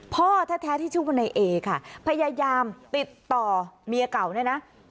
พ่อแท้ที่ชูบนายเอค่ะพยายามติดต่อเมียเก่านะ